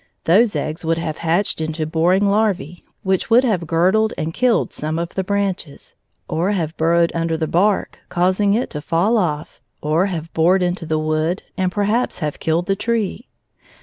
Those eggs would have hatched into boring larvæ, which would have girdled and killed some of the branches, or have burrowed under the bark, causing it to fall off, or have bored into the wood and, perhaps, have killed the tree.